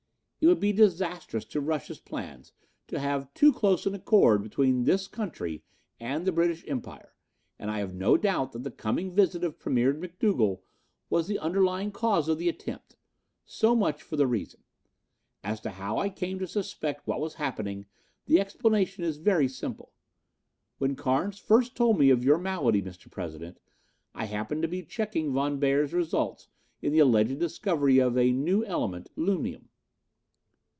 It would be disastrous to Russia's plans to have too close an accord between this country and the British Empire, and I have no doubt that the coming visit of Premier McDougal was the underlying cause of the attempt. So much for the reason. "As to how I came to suspect what was happening, the explanation is very simple. When Carnes first told me of your malady, Mr. President, I happened to be checking Von Beyer's results in the alleged discovery of a new element, lunium.